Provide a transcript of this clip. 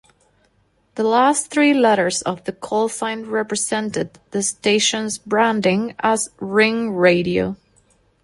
The last three letters of the callsign represented the station's branding as "Ring Radio".